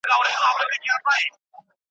ډيوې د انتظار مې د ديــــدار پۀ ارمان مړې شوې